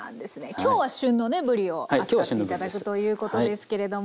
今日は旬のねぶりを扱って頂くということですけれども。